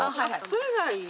それがいい。